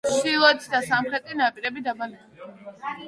ჩრდილოეთი და სამხრეთი ნაპირები დაბალია.